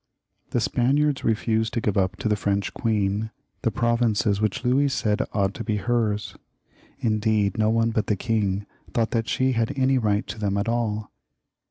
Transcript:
The Spaniards refused to give up to the French queen the provinces which Louis said ought to be hers. Indeed, no one but the king thought that ^he had any right to them at all.